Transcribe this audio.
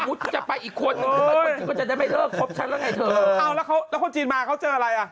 แล้วคนจีนมาเค้าเจออะไร